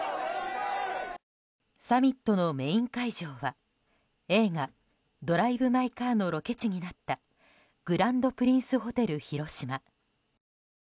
サミットのメイン会場は映画「ドライブ・マイ・カー」のロケ地になったグランドプリンスホテル広島。